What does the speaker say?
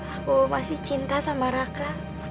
aku masih cinta sama raka